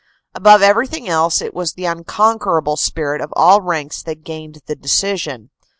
Above everything else it was the unconquer able spirit of all ranks that gained the decision.